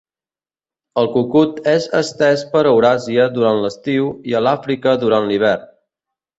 El cucut és estès per Euràsia durant l'estiu i a l'Àfrica durant l'hivern.